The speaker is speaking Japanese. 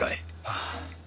ああ。